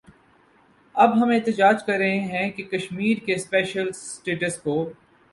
اب ہم احتجاج کر رہے ہیں کہ کشمیر کے سپیشل سٹیٹس کو